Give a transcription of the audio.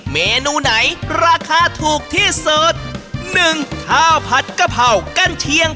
เมนูไหนราคาถูกที่สุดหนึ่งข้าวผัดกะเพรากั้นเชียง